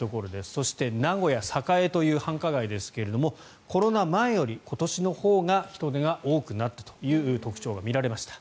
そして名古屋の栄という繁華街ですがコロナ前より今年のほうが人出が多くなったという特徴が見られました。